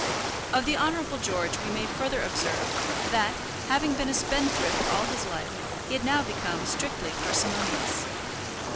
Of the Honourable George we may further observe, that, having been a spendthrift all his life, he had now become strictly parsimonious.